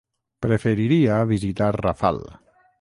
Preferiria visitar Rafal.